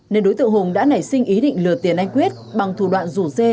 nên đối tượng hùng đã nảy sinh ý định lừa tiền anh quyết bằng thủ đoạn rủ dê